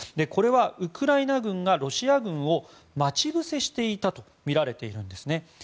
これは、ウクライナ軍がロシア軍を待ち伏せしていたとみられているんですね。